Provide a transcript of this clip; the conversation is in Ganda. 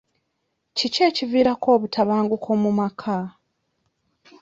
Kiki ekiviirako obukuubagano mu maka?